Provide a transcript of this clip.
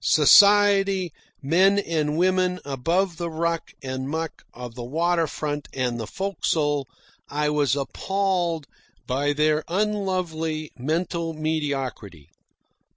Society, men and women above the ruck and the muck of the water front and the forecastle I was appalled by their unlovely mental mediocrity.